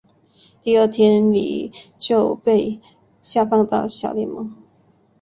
第二天李就被下放到小联盟。